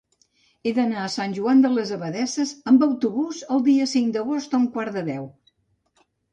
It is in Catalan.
He d'anar a Sant Joan de les Abadesses amb autobús el cinc d'agost a un quart de deu.